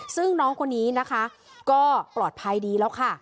ซึ่งน้องคนนี้นะคะก็ปลอดภัยดีแล้วค่ะ